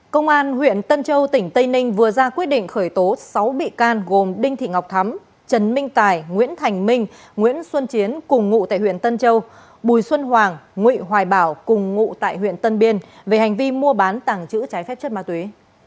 công an huyện tân châu tỉnh tây ninh vừa ra quyết định khởi tố sáu bị can gồm đinh thị ngọc thắm trần minh tài nguyễn thành minh nguyễn xuân chiến cùng ngụ tại huyện tân châu bùi xuân hoàng nguyễn hoài bảo cùng ngụ tại huyện tân biên về hành vi mua bán tàng trữ trái phép chất ma túy